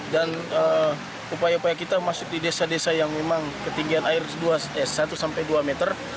dan upaya upaya kita masuk di desa desa yang memang ketinggian air satu dua meter